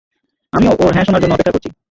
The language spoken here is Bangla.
আমিও ওর হ্যাঁ শোনার জন্য, অপেক্ষা করছি।